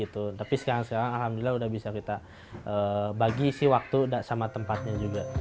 tapi sekarang sekarang alhamdulillah udah bisa kita bagi sih waktu sama tempatnya juga